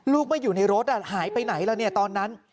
ลูกไม่อยู่ในรถหายไปไหนแล้วเนี่ยตอนนั้น